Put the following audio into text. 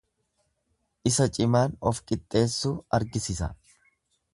Isa cimaan of qixxeessuu argisisa.